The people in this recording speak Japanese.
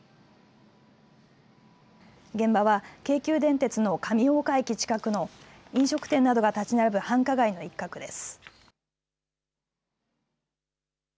現場は京急電鉄の上大岡駅近くの飲食店などが建ち並ぶ繁華街の一角です。